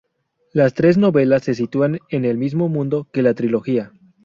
Las tres novelas se sitúan en el mismo mundo que la trilogía.